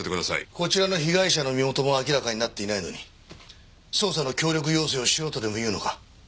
こちらの被害者の身元も明らかになっていないのに捜査の協力要請をしろとでもいうのか？